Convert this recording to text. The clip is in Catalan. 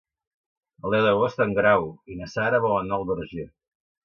El deu d'agost en Guerau i na Sara volen anar al Verger.